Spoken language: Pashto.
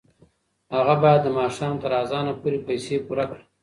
هغه باید د ماښام تر اذانه پورې پیسې پوره کړي.